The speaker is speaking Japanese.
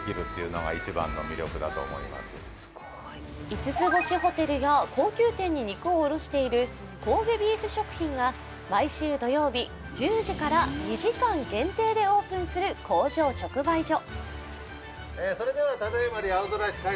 五つ星ホテルや高級店に肉を卸している毎週土曜日、１０時から２時間限定でオープンする工場直売所。